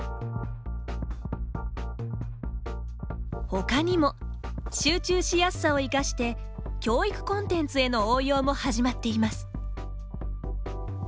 ほかにも集中しやすさを生かして教育コンテンツへの応用も始まっています。